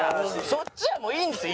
そっちはもういいんですよ。